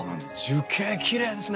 樹形きれいですね。